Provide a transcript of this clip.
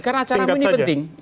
karena acaramu ini penting